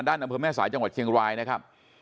อำเภอแม่สายจังหวัดเชียงรายนะครับ